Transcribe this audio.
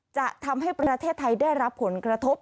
จะทำให้ประเทศไทยได้รับผลกระทบ